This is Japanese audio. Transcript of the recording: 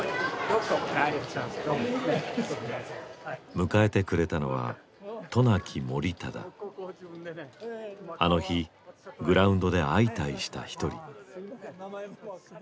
迎えてくれたのはあの日グラウンドで相対した一人。